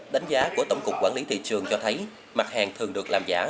đánh giá của tổng cục quản lý thị trường cho thấy mặt hàng thường được làm giả